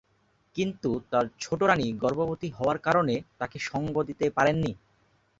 কিন্তু তার ছোট রাণী গর্ভবতী হওয়ার কারণে তাকে সঙ্গ দিতে পারেননি।